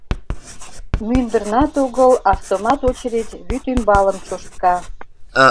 Мӱндырнат огыл автомат очередь вӱд ӱмбалым чоштка.